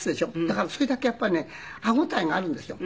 だからそれだけやっぱりね歯応えがあるんですよ。